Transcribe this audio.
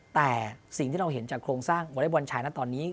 แต่สิ่งที่เราเห็นจากโครงสร้างวอเล็กบอลชายนะตอนนี้